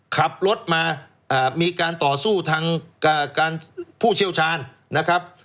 ขับรถมามีการต่อสู้ทางการผู้เชี่ยวชาญนะครับ